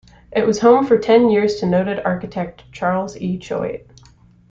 It was home for ten years to noted architect Charles E. Choate.